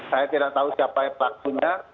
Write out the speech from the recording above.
saya tidak tahu siapa pelakunya